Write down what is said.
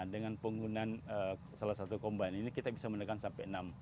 dengan penggunaan salah satu combine ini kita bisa menekan sampai enam